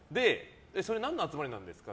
それは何の集まりですか？